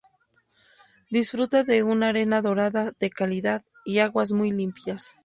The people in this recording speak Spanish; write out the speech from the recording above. Disfruta de una arena dorada de calidad y aguas muy limpias.